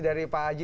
dari pak haji